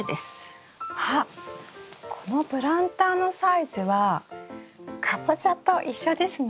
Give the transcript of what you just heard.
あっこのプランターのサイズはカボチャと一緒ですね。